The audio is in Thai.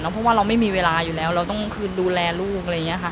เพราะว่าเราไม่มีเวลาอยู่แล้วเราต้องดูแลลูก